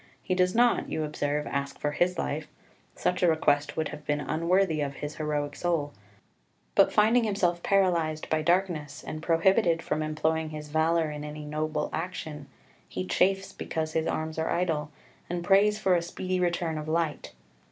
He does not, you observe, ask for his life such a request would have been unworthy of his heroic soul but finding himself paralysed by darkness, and prohibited from employing his valour in any noble action, he chafes because his arms are idle, and prays for a speedy return of light.